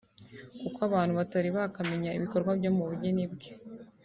kuko abantu batari bakamenya ibikorwa byo mu bugeni bwe